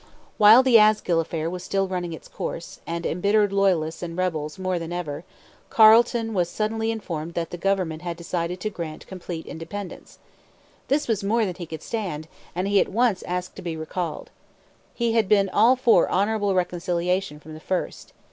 While the Asgill affair was still running its course, and embittering Loyalists and rebels more than ever, Carleton was suddenly informed that the government had decided to grant complete independence. This was more than he could stand; and he at once asked to be recalled. He had been all for honourable reconciliation from the first.